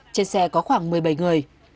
trên xe có khoảng một mươi bảy người